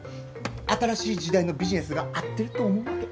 新しい時代のビジネスが合ってると思うわけ。